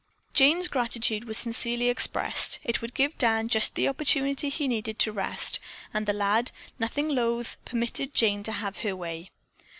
Jane's gratitude was sincerely expressed. It would give Dan just the opportunity he needed to rest, and the lad, nothing loath, permitted Jane to have her way.